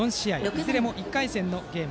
いずれも１回戦のゲーム。